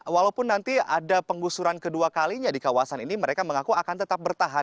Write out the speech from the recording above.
walaupun nanti ada penggusuran kedua kalinya di kawasan ini mereka mengaku akan tetap bertahan